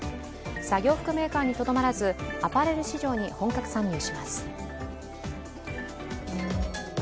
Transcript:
作業服メーカーにとどまらず、アパレル市場に本格参入します。